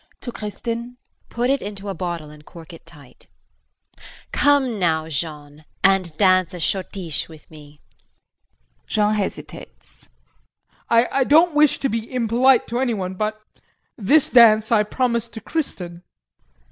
[To Kristin]. Put it into a bottle and cork it tight. Come now, Jean and dance a schottische with me. [Jean hesitates.] JEAN. I don't wish to be impolite to anyone but this dance I promised to Kristin.